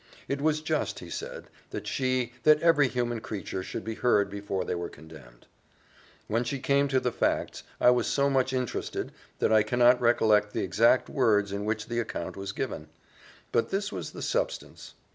It was just, he said, that she, that every human creature should be heard before they were condemned. When she came to the facts, I was so much interested that I cannot recollect the exact words in which the account was given; but this was the substance.